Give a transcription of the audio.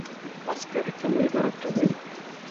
عسکري تمرینات کوي.